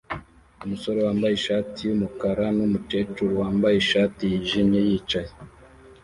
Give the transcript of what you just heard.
Umusore wambaye ishati yumukara numukecuru wambaye ishati yijimye yicaye